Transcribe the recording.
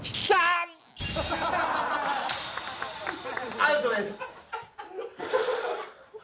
アウトです。